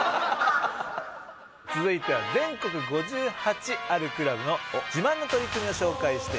続いては全国５８あるクラブの自慢の取り組みを紹介していくこのコーナー。